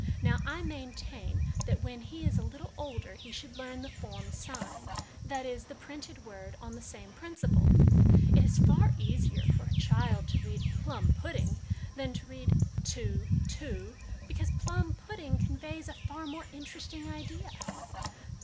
Now, I maintain that, when he is a little older, he should learn the form sign that is, the printed word on the same principle. It is far easier for a child to read plum pudding than to read ' t o, to,' because ' plum pudding ' conveys a far more interesting idea."